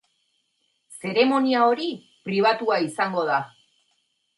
Zeremonia hori pribatua izango da.